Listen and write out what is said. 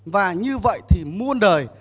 và như vậy thì muôn đời